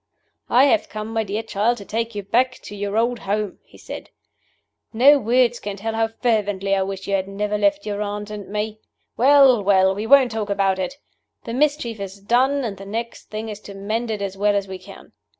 "I have come, my dear child, to take you back to your old home," he said. "No words can tell how fervently I wish you had never left your aunt and me. Well! well! we won't talk about it. The mischief is done, and the next thing is to mend it as well as we can.